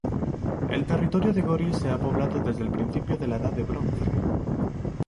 El territorio de Gori se ha poblado desde principios de la Edad del Bronce.